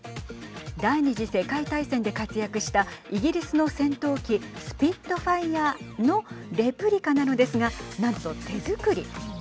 第２次世界大戦で活躍したイギリスの戦闘機スピットファイアのレプリカなのですがなんと手作り。